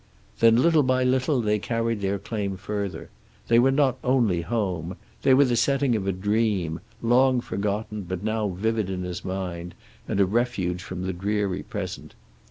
Then, little by little, they carried their claim further. They were not only home. They were the setting of a dream, long forgotten but now vivid in his mind, and a refuge from the dreary present.